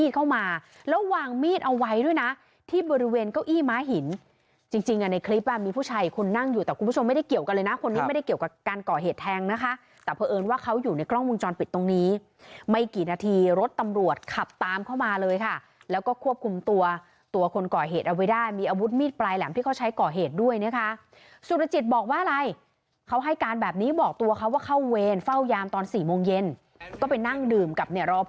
เก้าอี้ม้าหินจริงในคลิปมีผู้ชายคนนั่งอยู่แต่คุณผู้ชมไม่ได้เกี่ยวกันเลยนะคนนี้ไม่ได้เกี่ยวกับการก่อเหตุแทงนะคะแต่เพราะเอิญว่าเขาอยู่ในกล้องมุมจรปิดตรงนี้ไม่กี่นาทีรถตำรวจขับตามเข้ามาเลยค่ะแล้วก็ควบคุมตัวตัวคนก่อเหตุเอาไว้ได้มีอาวุธมีดปลายแหลมที่เขาใช้ก่อเหตุด้วยนะคะสุรจิตบอกว่า